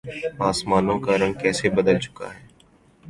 آسمانوں کا رنگ کیسے بدل چکا ہے۔